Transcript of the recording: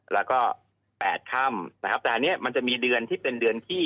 แล้วก็๘ค่ำนะครับแต่อันนี้มันจะมีเดือนที่เป็นเดือนที่